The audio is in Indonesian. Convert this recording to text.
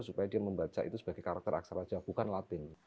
supaya dia membaca itu sebagai karakter aksaraja bukan latin